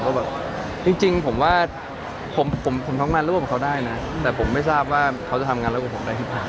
เพราะว่าจริงผมช่องการร่วมของเขาได้นะแต่ผมไม่ทราบว่าเขาจะทำงานร่วมของผมได้มั้ยบ้าง